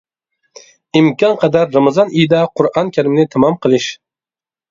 ئىمكان قەدەر رامىزان ئېيىدا قۇرئان كەرىمنى تامام قىلىش.